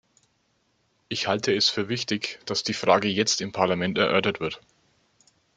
Ich halte es für wichtig, dass die Frage jetzt im Parlament erörtert wird.